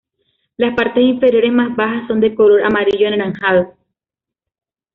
Las partes inferiores más bajas son de color amarillo anaranjado.